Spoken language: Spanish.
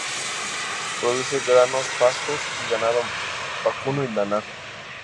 Produce granos pastos y ganado vacuno y lanar.